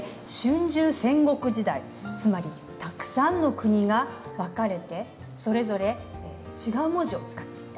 つまりたくさんの国が分かれてそれぞれ違う文字を使っていた。